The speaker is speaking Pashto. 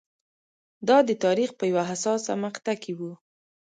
دا د تاریخ په یوه حساسه مقطعه کې و.